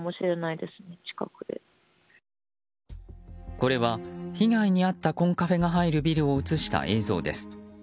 これは被害に遭ったコンカフェが入るビルを映した映像です。